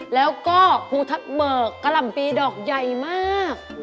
แล้วก็ภูทับเบิกกะหล่ำปีดอกใหญ่มาก